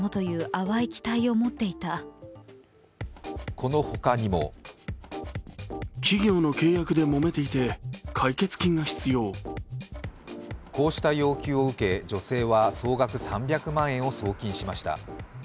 このほかにもこうした要求を受け女性は総額３００万円を送金しました。